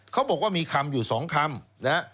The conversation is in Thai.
เขาบอกว่ามีคำอยู่สองคำ